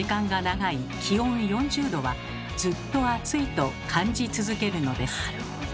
気温４０℃はずっと暑いと感じ続けるのです。